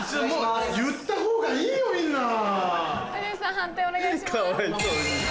判定お願いします。